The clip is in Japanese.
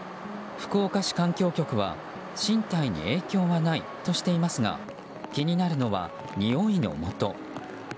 福岡市環境局は身体に影響はないとしていますが気になるのはにおいのもと。